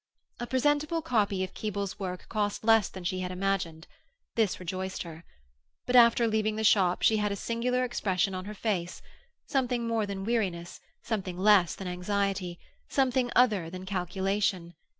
A presentable copy of Keble's work cost less than she had imagined. This rejoiced her. But after leaving the shop she had a singular expression on her face—something more than weariness, something less than anxiety, something other than calculation.